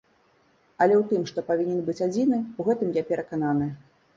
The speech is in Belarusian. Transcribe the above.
Але ў тым, што павінен быць адзіны, у гэтым я перакананы.